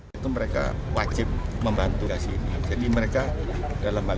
alasan kerusakan pesawatnya atau apa